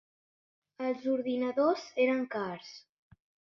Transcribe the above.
Els ordinadors eren cars.